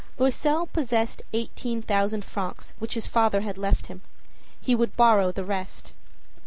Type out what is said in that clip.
Loisel possessed eighteen thousand francs which his father had left him. He would borrow the rest.